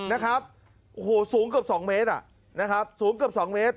นะครับโอ้โหสูงเกือบ๒เมตรนะครับสูงเกือบ๒เมตร